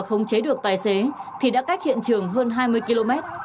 không chế được tài xế thì đã cách hiện trường hơn hai mươi km